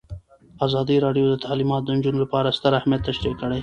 ازادي راډیو د تعلیمات د نجونو لپاره ستر اهميت تشریح کړی.